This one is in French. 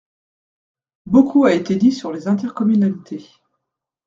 Beaucoup a été dit sur les intercommunalités.